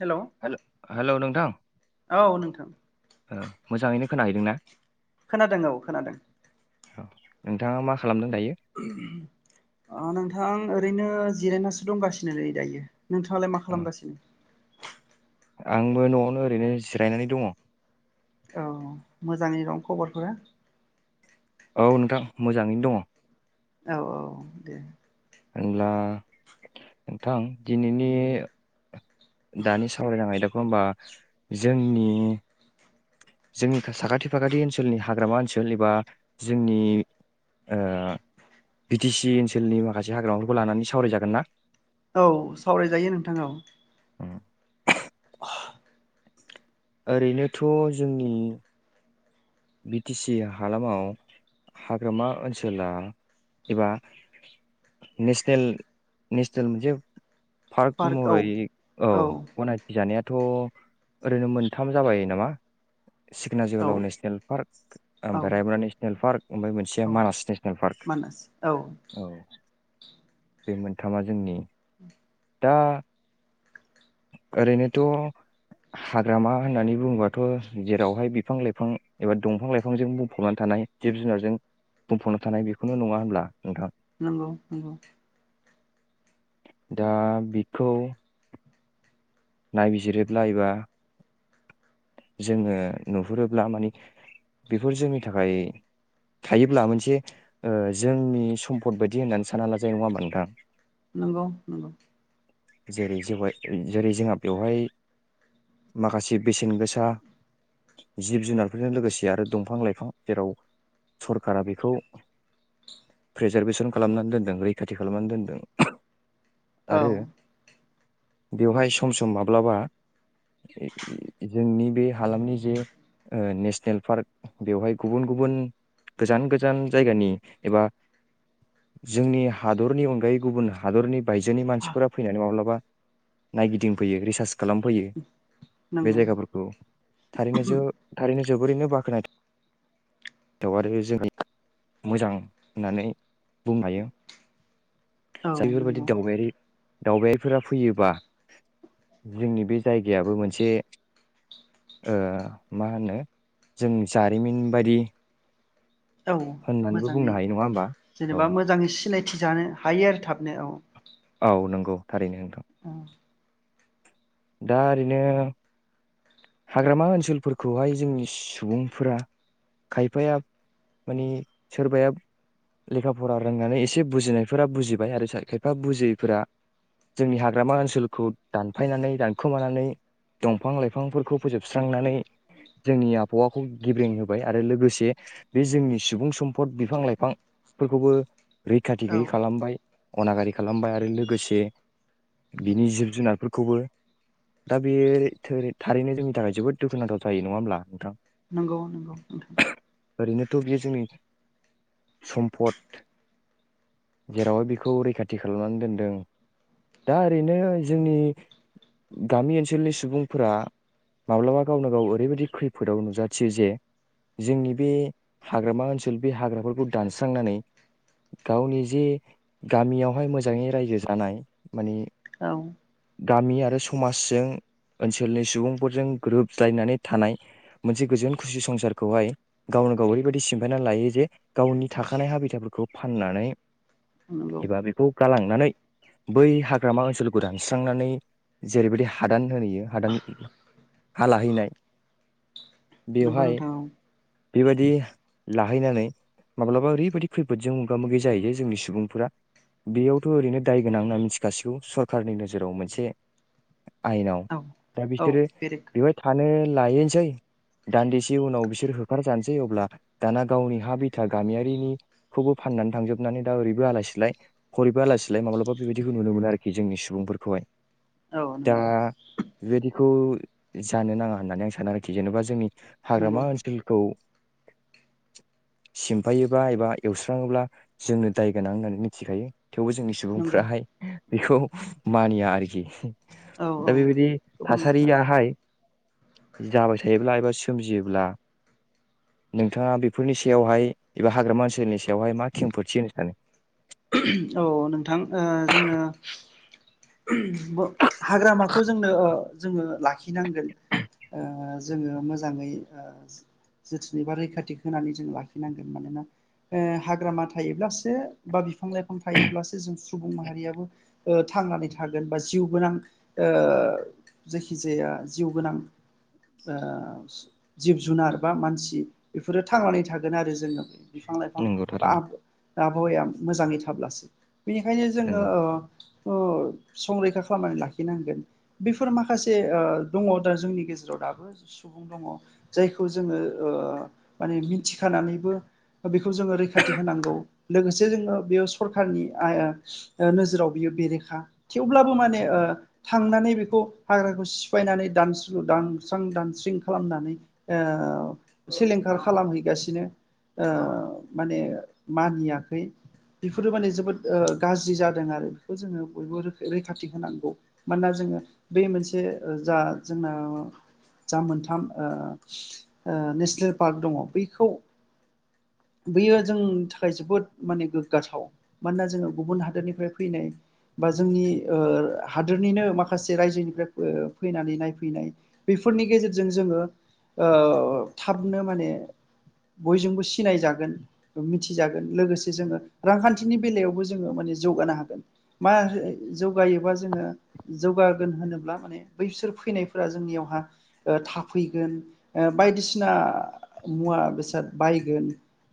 Hello hello hello नोंथां औ नोंथां मोजाङैनो खोनाहैदों ना खोनादों औ खोनादों औ नोंथाङा मा खालामदों दायो? नोंथां ओरैनो जिरायनासो दंगासिनोलै दायो नोंथाङालाय मा औ खालामगासिनो आंबो न'आवनो ओरैनो जिरायनानै दङ औ मोजाङै दं खबरफोरा औ नोंथां मोजाङैनो दङ औ औ दे होनब्ला नोंथां दिनैनि दानि सावरायनाय आयदा नङा होनबा जोंनि जोंनि साखाथि फाखाथि ओनसोलनि हाग्रामा ओनसोल एबा जोंनि बिटि सि ओनसोलनि माखासे हाग्रामाफोरखौ लानानै सावरायजागोन ना औ सावरायजायो नोंथां औ उम। ओरैनोथ' जोंनि बि टि सि हालामाव हाग्रामा ओनसोला एबा नेसनेल नेसनेल मोनसे पार्क महरै औ गनायथि जानाया थ' ओरैनो मोनथाम जाबाय नामा? सिखना औ जोहोलाव नेसनेल औ ओमफ्राय रायमना नेसनेल पार्क ओमफ्राय मोनसेया औ मानास नेसनेल पार्क मानास औ औ बे मोनथामा जोंनि दा ओरैनोथ' हाग्रामा होननानै बुङोबाथ' जेरावहाय बिफां लाइफां एबा दंफां लाइफांजों बुंफबना थानाय जिब जुनारजों बुंफबना थानाय बेखौनो नङा होनोमब्ला नोंथां नंगौ नंगौ दा बिखौ नायबिजिरोब्ला एबा जोङो नुहुरोब्ला माने बेफोर जोंनि थाखाय थायोब्ला मोनसे ओ जोंनि सम्फद बायदि होननानै सानना लाजायो नङा होनबा नोंथां? नंगौ नंगौ जेरै जेवहाय जेरै जोंहा बेवहाय माखासे बेसेन गोसा जिब जुनारफोरजों लोगोसे आरो दंफां लाइफां जेराव सरकारा बेखौ रिजार्भेसन खालामनानै दोनदों रैखाथि खालामनानै दोनदों औ आरो बेवहाय स सम सम माब्लाबा ए-ए जोंनि बे हालामनि जे ओ नेसनेल पार्क बेवहाय गुबुन गुबुन गोजान गोजान जायगानि एबा जोंनि हादरनि अनगायै गुबुन हादरनि बायजोनि मानसिफोरा फैनानै माब्लाबा नायगिदिं फैयो रिर्सास खालामफैयो बे नंगौ जायगाफोरखौ थारैनो जों थारैनो जोबोरैनो बाख्नायथाव आरो जोङ मोजां होननानै बुंनो हायो औ जाय बेफोरबादि नंगौ दावबायारि दावबायारिफोरा फैयोबा जोंनि बे जायगायाबो मोनसे ओ मा होनो जों जारिमिन बायदि औ होननानैबो मोजाङै बुंनो हायो नङा होमबा औ जेनेबा मोजाङै सिनाय मिथि जानो हायो आरो थाबनो औ औ नोंगौ थारैनो औ दा ओरैनो हाग्रामा ओनसोल फोरखौहाय जोंनि सुबुंफोरा खायफाया माने सोरबाया लेखा फरा रोंनानै एसे बुजिनायफोरा बुजिबाय आरो जाय खायफा बुजियैफोरा जोंनि हाग्रामा ओनसोलखौ दानफायनानै दानखोमानानै दंफां लाइ फांफोरखौ फोजोबस्रांनानै जोंनि आबहावाखौ गेब्रें होबाय आरो लोगोसे बे जोंनि सुबुं सम्फद बिफां लाइफां फोरखौबो रैखाथि औ गैयि खालामबाय। अनागारि खालामबाय आरो लोगोसे बिनि जिब जुनारफोरखौबो दा बे थोरै थारैनो जोंनि थाखाय जबोद दुखुनांथाव जायो नङा होमब्ला नोंथां? नंगौ नंगौ नोंथां ओरैनोथ' बियो जोंनि सम्पद जेरावहाय बिखौ रैखाथि खालामनानै दोनदों दा ओरैनो जोंनि गामि ओनसोलनि सुबुंफोरा माब्लाबा गावनो गाव ओरैबायदि खैफोदाव नुजाथियो जे जोंनि बे हाग्रामा ओनसोल बे हाग्राफोरखौ दानस्रांनानै गावनि जे गामियावहाय मोजाङै रायजो जानाय माने औ गामि आरो समाजजों ओनसोलनि सु बुंफोरजों गोरोबज्लायनानै थानाय मोनसे गोजोन खुसि संसारखौहाय गावनो गाव ओरैबायदि सिमफायना लायो जे गावनि थाखानाय हाबिथाफोरखौ फाननानै नंगौ एबा बेखौ गालाङो। थांनानै बै हाग्रामा ओनसोलखौ दानस्रांनानै जेरैबायदि हादान होनहोयो हादान हा लाहैनाय नंगौ बेवहाय नोंथां बेबायदि लाहैनानै माब्लाबा ओरैबायदि खैफोदजों मोगा मोगि जाहैयो जोंनि सुबुंफोरा बियावथ' ओरैनो दाय गोनां होनना मिथिखासिगौ सरखारनि नोजोराव मोनसे आयेनाव औ दा बि औ सोरो बेरेखा बेवहाय थानो लायैनसै दान्दिसे उनाव बिसोर होखारजानोसै अब्ला दाना गावनि हा बिथा गामियारिनिखौबो फाननानै थांजोबनानै दा ओरैबो आलाय सिलाय हरैबो आलाय सिलाय माब्लाबा बेबायदिखौ नुनो मोनो आरोखि जोंनि सुबुंफोरखौहाय। औ दा नंगौ बिबायदि खौ जानो नाङा होननानै आं सानो आरोखि। जेन बा जोंनि हाग्रामा नंगौ ओनसोलखौ सिमफायोबा एबा एवस्राङोब्ला जोंनो दाय गोनां होननानै मिथिखायो। थेवबो जोंनि नंगौ सुबुंफ्राहाय बेखौ मानिया आरोखि। औ औ दा बेबायदि गोबांफ्रानो थासारियाहाय जाबाय थायोब्ला एबा सोमजियोब्ला नोंथाङा बेफोरनि सायावहाय एबा हाग्रामा ओनसोलनि सा यावहाय मा खेंफुरथि होनो सानो? औ नोंथां ओ जोंनो मो हाग्रामाखौ जोंनो ओ जोङो लाखिनांगोन‌। ओ जोङो मोजाङै ओ जोथोनै बा रैखाथि होनानै जों लाखिनांगोन‌ मानोना ओ हाग्रामा थायोब्लासो बा बिफां लाइफां थायोब्लासो जों सुबुं माहारियाबो ओ थांनानै था थागोन। बा जिउ गोनां ओ जायखिजाया जिउ गोनां ओ जिब जुनार बा मानसि बेफोरो थांनानै थागोन आरो जोंनाव। बिफां लाइफां बा आबहावाया मोजाङै थाब्लासो। बेनिखायनो जोङो ओ ओद संरैखा खालामनानै लाखिनांगोन। बेफोर माखासे ओ दङ दा जोंनि गेजेराव दाबो सुबुं दङ जायखौ जोङो ओ माने मिथिखानानैबो बेखौ जोङो रैखाथि होनांगौ लोगोसे जोङो बेयो सरखारनि आय ओ नोजोराव बियो बेरेखा थेवब्लाबो माने ओ थांनानै बेखौ हाग्राखौ सिफायनानै दानस्रु दानस्रां दानस्रिं खालामनानै ओ सिलिंखार खालामहैगासिनो। ओ माने मानियाखै बेफोरो माने जोबोद ओ गाज्रि जादों आरो। बेखौ जोङो बयबो रैखाथि होनांगौ। मानोना जोङो बे मोनसे जा जोंना जा मोनथाम ओ ओ नेसनेल पार्क दङ बैखौ बैयो जोंनि थाखाय जोबोद माने गोग्गाथाव। मानोना जोङो गुबुन हादोरनिफ्राय फैनाय बा जोंनि ओ हादोरनिनो माखासे रायजोनिफ्राय फैनानै नायफैनाय। बेफोरनि गेजेरजों जोङो ओ थाबनो माने बयजोंबो सिनायजागोन, मिथिजागोन लोगोसे जोङो रांखान्थिनि बेलायावबो जोङो माने जौगानो हागोन। मारै जौगायोबा जोङो जौगागोन होनोब्ला माने बैसोर फैनायफोरा जोंनियावहा ओ थाफैगोन बायदिसिना मुवा बेसाद बायगोन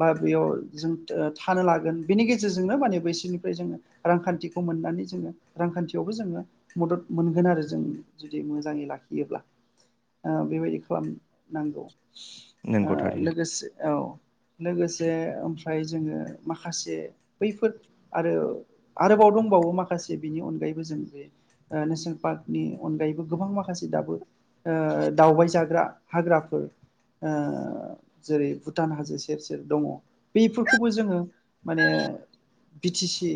बा बेयाव जों थानो लागोन बिनि गेजेरजोंनो माने बैसोरनिफ्राय जोङो रांखान्थिखौ मोननानै जोङो रांखान्थियावबो जोङो मदद मोनगोन आरो जों जुदि मोजाङै लाखियोब्ला। ओ बेबायदि खालाम नांगौ ओ नंगौ थारैनो लोगोसे औ लोगोसे फ्राय जोङो माखासे बैफोर आरो आरोबाव दंबावो माखासे बेनि अनगायैबो जों बे ओ नेसनेल पार्कनि अनगायैबो गोबां माखासे दाबो ओ दावबाय जाग्रा हाग्राफोर ओ जेरै भुटान हाजो सेर सेर दङ बेफोरखौबो जोङो माने बि टि सि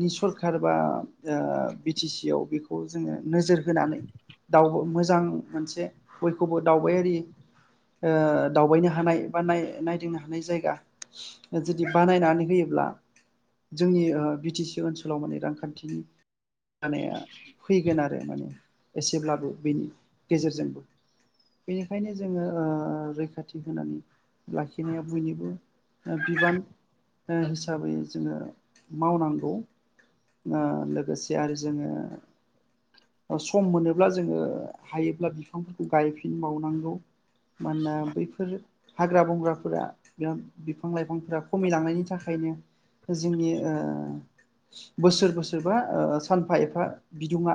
नि सरखार बा ओ बि टि सि आव बेखौ जोङो नोजोर होनानै मोजां मोनसे बयखौबो दावबायारि ओ दावबायनो हानाय बा नायदिंनो हानाय जायगा जुदि बानायनानै होयोब्ला जोंनि बि टि सि ओनसोलाव माने रां खान्थिनि जौगानाया फैगोन आरो माने एसेब्लाबो बेनि गेजेरजोंबो। बेनिखायनो जोङो रैखाथि होनानै लाखिनाया बयनिबो बिबान हिसाबै जोङो मावनांगौ। ओ लोगोसे आरो जोङो सम मोनोब्ला जोङो हायोब्ला बिफांफोरखौ गायफिनबावनांगौ। मानोना बैफोर हाग्रा बंग्राफोरा बा बिफां लाइफांफोरा खमिलांनायनि थाखायनो जोंनि ओ बोसोर बोसोरबा ओ सानफा एफा बिदुङा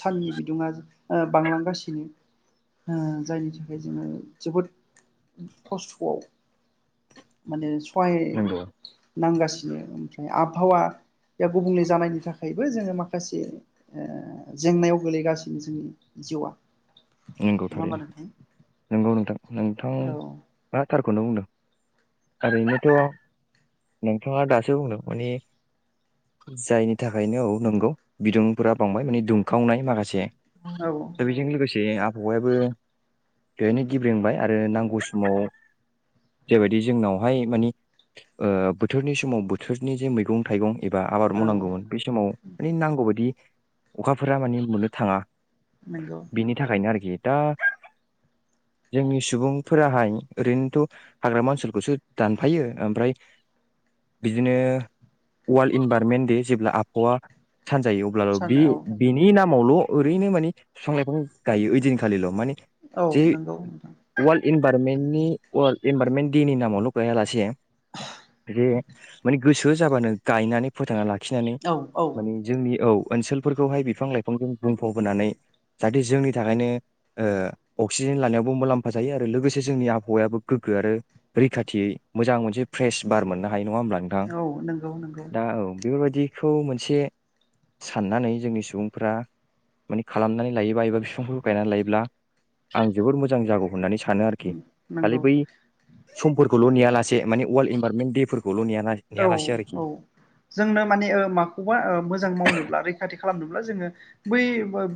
साननि बिदुङा ओ बांलांगासिनो ओ जायनि थाखाय जोङो जोबोद खस्थ'आव माने फय नंगौ नांगासि बे ओमफ्राय आबहावा गुबुंले जानायनि थाखायबो जोङो माखासे ओ जेंनायाव गोलैगासिनो जोंनि जिउआ नंगौ नङा होमबा थारैनो नोंथां नंगौ नोंथां नों थां औ आथार खौनो बुंदों ओरैनोथ' नोंथांङा दासो बुंदों माने जायनि थाखायनो औ नंगौ बिदुंफोरा बांबाय माने दुंखावनाय माखासे औ दा बेजोंलोगो से जे आबहावायाबो बेहनो गिब्रेंबाय आरो नांगौ समाव जेबायदि जोंनावहाय मानि ओ बोथोरनि समाव बोथोरनि जे मैगं थाइगं एबा आबाद मावनांगौमोन बे समाव माने नांगौ बादि अखाफोरा माने मोननो थाङा। नोंगौ बिनि थाखायनो आरोखि दा जोंनि सुबुंफोराहाय ओरैनोथ' हाग्रामा ओनसोलखौसो दानफायो ओमफ्राय बिदिनो वर्लड इनभाररनमेन्ट दे जेब्ला आबहावा सानजायो अब्लाबो बे सानो औ बिनि नाम समावल' ओैरैनो माने बिफां-लाफां गायो इदिन खालिल' माने औ जे नंगौ नोंथां ओवाल इनभाररनमेन्टनि अवाल इनभाररनमेन्ट दे नि नामावल' गायायालासे जे माने गोसो जाबानो गायनानै फोथांना ला खिनानै औ माने जोंनि औ ओनसोलफोरखौहाय बिफां लाइफांजों बुंफबहोनानै जा जोंनि थाखायनो ओ अक्सिजेन लानायावबो मुलाम्फा जायो आरो लोगोसे जोंनि आबहावायाबो गोग्गो आरो रैखाथियै मोजां मोनसे फ्रेस बार मोन हा हायो नङा होमब्ला नोंथां औ नंगौ नंगौ दा औ बेफोरबायदिखौ मोनसे साननानै जोंनि सुबुंफोरा माने खालामनानै लायो एबा फिफां गायनानै लायो आं जोबोर मोजां जागौ होननानै सानो आरोखि खालि नंगौ बै समफोरखौल' नेया लासे माने वर्ल्ड इनभारनमेन्ट देफोरखौ औ औ जोंनो माने ओ माखौबा मोजां मावनोब्ला रैखाथि खालामनोब्ला जोङो बै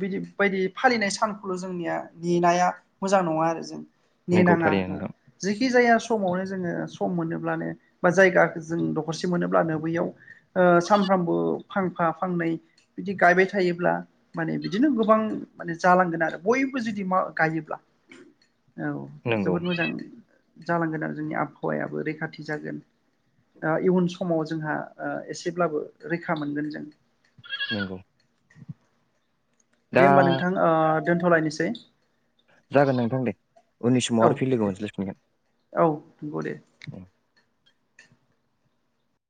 बिदि बायदि फालिनाय सानखौल' जोंनिया नेनाया मोजां नङा आरो जों नोंगौ नेनाङा थारैनो ओ नोंथां जेखि जाया समावनो जोङो सम मोनोब्लानो बा जायगा जों दखरसे मोनोब्लानो बैयाव ओ सानफ्रामबो फांफा फांनै बिदि गायबाय थायोब्ला माने बिदिनो गोबां माने जालांगोन आरो बयबो जुदि मा गायोब्ला औ नंगौ जोबोद मोजां होनदों जालांगोन आरों जोंनि आबहावायाबो रैखाथि जागोन दा इयुन समाव जोंहा ओ एसेब्लाबो रैखा मोनगोन जों नंगौ दा दे होमबा नोंथां ओ दोनथ'लायनोसै जागोन नोंथां दे उननि समाव औ आरो फिन लोगो दे मोनज्लायफिनगोन औ दे औ